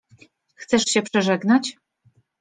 Chcesz się przeżegnać?